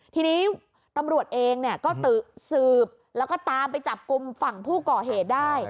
ทีนี้ตำรวจเองก็สืบแล้วก็ตามไปจับกลุ่มฝั่งผู้ก่อเหตุได้